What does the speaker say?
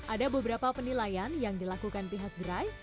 ada beberapa penilaian yang dilakukan pihak gerai